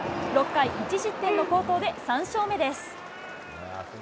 ６回１失点の好投で３勝目です。